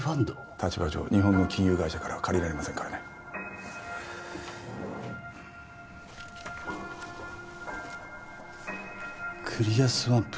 立場上日本の金融会社からは借りられませんからねクリアスワンプ？